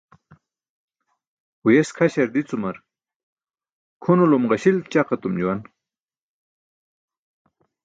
Huyes kʰaśar dicumar kʰunulum ġaśil ćaq etum juwan.